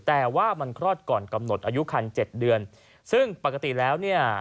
แต่ว่ามันคลอดก่อนกำหนดอายุคันเจ็ดเดือนซึ่งปกติแล้วเนี่ย